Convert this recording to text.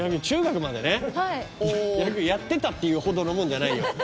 中学までね野球やってたっていうほどのもんじゃないよ